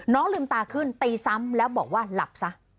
ลืมตาขึ้นตีซ้ำแล้วบอกว่าหลับซะ